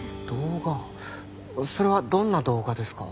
それはどんな動画ですか？